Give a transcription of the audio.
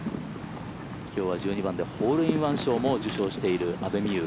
今日は１２番でホールインワン賞も受賞している阿部未悠。